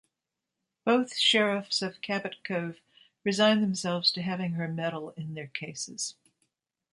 Both sheriffs of Cabot Cove resign themselves to having her meddle in their cases.